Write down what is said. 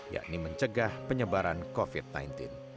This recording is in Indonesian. yakni mencegah penyebaran covid sembilan belas